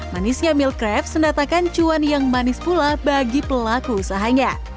manisnya milk crepes mendatakan cuan yang manis pula bagi pelaku usahanya